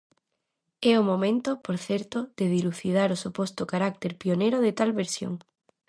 É o momento, por certo, de dilucidar o suposto carácter pioneiro de tal versión.